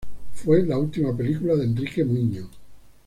Fue la última película de Enrique Muiño.